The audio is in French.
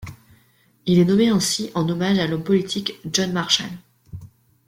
Il est nommé ainsi en hommage à l’homme politique John Marshall.